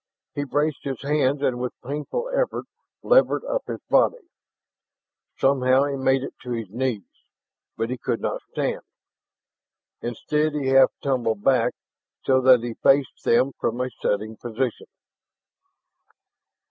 He braced his hands and with painful effort levered up his body. Somehow he made it to his knees, but he could not stand. Instead he half tumbled back, so that he faced them from a sitting position.